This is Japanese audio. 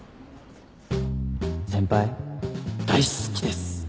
先輩大好きです！